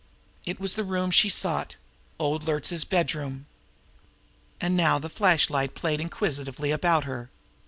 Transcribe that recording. It was the room she sought old Luertz's bedroom. And now the flashlight played inquisitively about her.